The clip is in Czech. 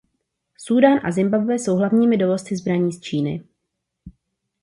Súdán a Zimbabwe jsou hlavními dovozci zbraní z Číny.